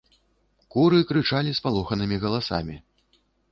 Куры крычалі спалоханымі галасамі.